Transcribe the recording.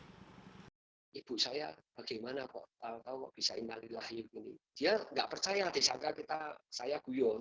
dia tidak percaya disangka saya guyur